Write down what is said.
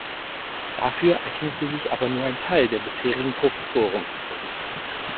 Dafür eignete sich aber nur ein Teil der bisherigen Professoren.